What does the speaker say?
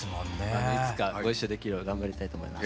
いつかご一緒できるよう頑張りたいと思います。